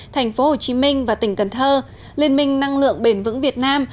thành phố hồ chí minh và tỉnh cần thơ liên minh năng lượng bền vững việt nam